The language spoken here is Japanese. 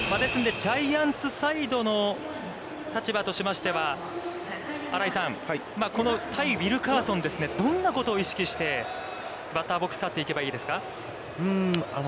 ですので、ジャイアンツサイドの立場としましては、新井さん、この対ウィルカーソンですね、どんなことを意識してバッターボックス立っていけばいいですか。